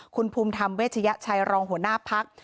คุณภูมิธรรมเวชยชัยรองหัวหน้าพัก